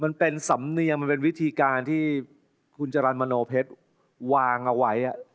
มันเป็นสำเนียงมันเป็นวิธีการที่คุณจรรย์มโนเพชรวางเอาไว้